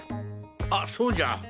あそうじゃ。